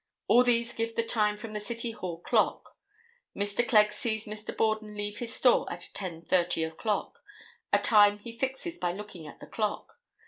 All these give the time from the City Hall clock. Mr. Clegg sees Mr. Borden leave his store at 10:30 o'clock, a time he fixes by looking at the clock.